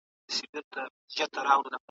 د سياست په واسطه مهمي پريکړي کېږي.